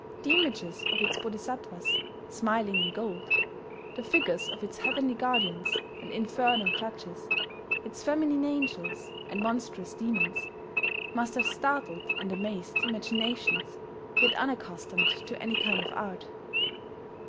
The images of its Bodhisattvas, smiling in gold, the figures of its heavenly guardians and infernal judges, its feminine angels and monstrous demons, must have startled and amazed imaginations yet unaccustomed to any kind of art.